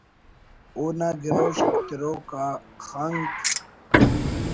اونا گروشک تروک آ خنک